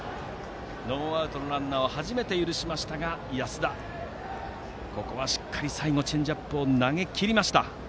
ノーアウトのランナーを初めて許しましたが安田がここはしっかり最後、チェンジアップを投げきりました。